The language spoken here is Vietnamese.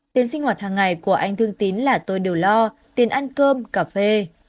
tiền sinh hoạt hàng ngày của anh thương tín là tôi đều lo tiền ăn cơm cà phê